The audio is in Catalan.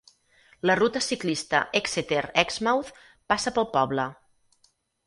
La ruta ciclista Exeter-Exmouth passa pel poble.